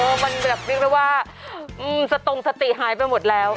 มันแบบเรียกได้ว่าสตงสติหายไปหมดแล้ว